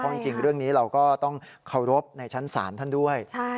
จริงเรื่องนี้เราก็ต้องเคารพในชั้นศาลท่านด้วย